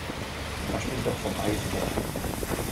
Man spricht auch vom Eisenwert.